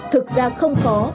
thực ra không khó